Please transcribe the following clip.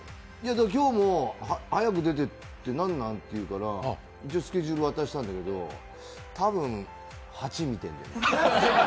今日も早く出てって何なん？っていわれたけど一応スケジュール渡したんだけど、多分、８見てるんだよね。